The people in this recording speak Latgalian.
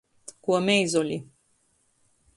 Kuo meizoli.